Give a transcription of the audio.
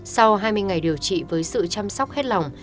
sau hai mươi ngày điều trị với sự chăm sóc hết lòng